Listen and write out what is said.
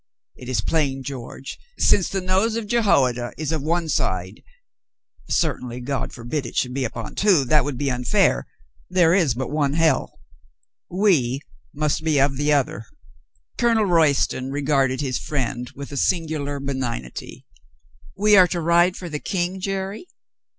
It is plain, George, since the nose of Jehoiada is of one side (certainly God forbid it should be upon two. That would be unfair. There is but one hell) , we must be of the other." Colonel Royston regarded his friend with a sin gular benignity. "We are to ride for the King, Jerry?